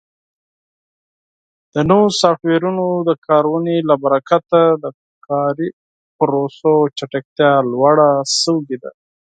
د نوو سافټویرونو د کارونې له برکت د کاري پروسو چټکتیا لوړه شوې ده.